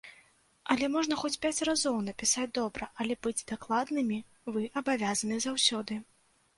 Але можна хоць пяць разоў напісаць добра, але быць дакладнымі вы абавязаны заўсёды.